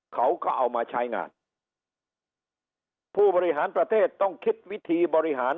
เขาก็เอามาใช้งานผู้บริหารประเทศต้องคิดวิธีบริหาร